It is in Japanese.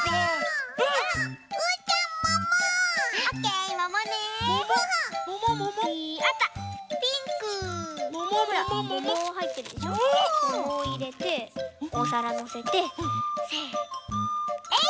ももいれておさらのせてせのえい！